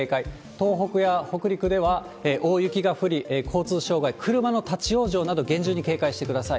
東北や北陸では大雪が降り、交通障害、車の立往生など、厳重に警戒してください。